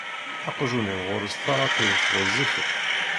Aqjun-iw ɣur-s taṛatiwt ɣezzifet.